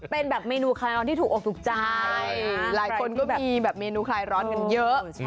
เป็นแบบเมนูคลายร้อนที่ถูกอกถูกใจนะครับใครที่แบบใช่หลายคนก็มีแบบเมนูคลายร้อนกันเยอะ